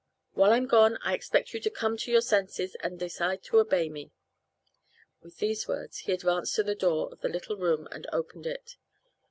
While I'm gone I expect you to come to your senses, and decide to obey me." With these words he advanced to the door of the little room and opened it.